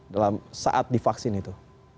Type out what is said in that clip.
dalam saat divaksin itu